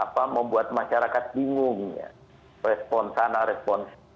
apa membuat masyarakat bingung ya respons sana respons